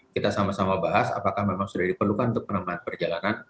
kita sama sama bahas apakah memang sudah diperlukan untuk penambahan perjalanan